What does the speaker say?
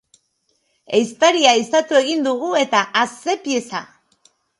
Ehiztaria ehizatu egin dugu, eta a ze pieza!